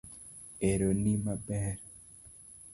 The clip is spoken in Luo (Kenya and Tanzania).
Ero in maber.